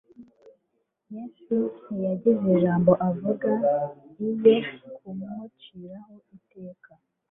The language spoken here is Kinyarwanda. Yesu ntiyagize ijambo avuga Iyo kumuciraho iteka;